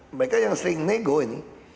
mereka yang sering nego ini